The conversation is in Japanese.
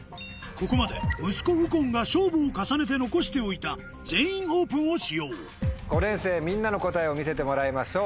ここまで息子右近が勝負を重ねて残しておいた「全員オープン」を使用５年生みんなの答えを見せてもらいましょう。